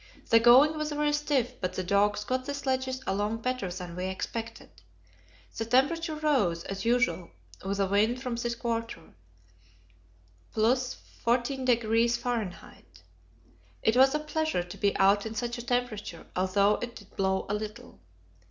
The going was very stiff, but the dogs got the sledges along better than we expected. The temperature rose, as usual, with a wind from this quarter: +14° F. It was a pleasure to be out in such a temperature, although it did blow a little.